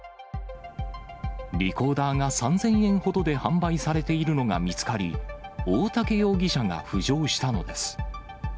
リコーダーが３０００円ほどで販売されているのが見つかり、大竹容疑者が浮上したのです。